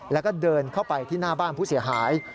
แล้วก็เดินเข้าไปที่หน้าบ้านผู้เสียหาย